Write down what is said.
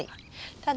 ただ。